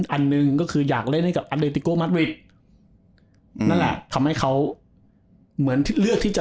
อันหนึ่งก็คืออยากเล่นให้กับอันเดติโกมัดริดนั่นแหละทำให้เขาเหมือนที่เลือกที่จะ